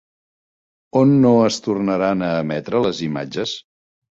On no es tornaran a emetre les imatges?